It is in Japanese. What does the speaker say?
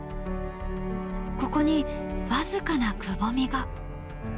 ここに僅かなくぼみが。